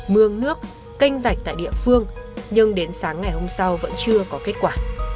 mương nước canh rạch tại địa phương nhưng đến sáng ngày hôm sau vẫn chưa có kết quả